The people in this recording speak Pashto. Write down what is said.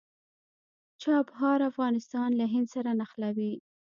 چابهار افغانستان له هند سره نښلوي